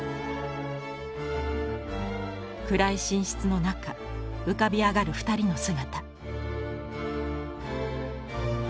暗い寝室の中浮かび上がる２人の姿。